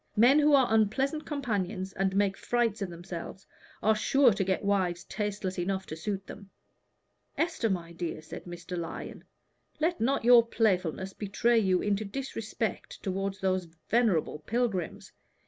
"Men who are unpleasant companions and make frights of themselves, are sure to get wives tasteless enough to suit them." "Esther, my dear," said Mr. Lyon, "let not your playfulness betray you into disrespect toward those venerable pilgrims.